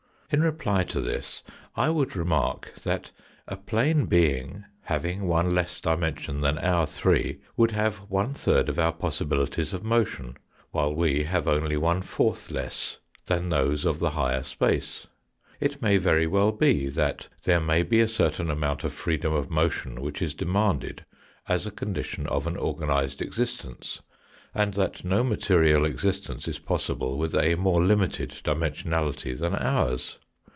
In reply to this I would remark that a plane being having one less dimension than our three would have one third of our possibilities of motion, while we have only one fourth less than those of the higher space. It may very well be that there may be a certain amount of freedom of motion which is demanded as a condition of an organised existence, and that no material existence is possible with a more limited dimensionality than ours.